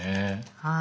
はい。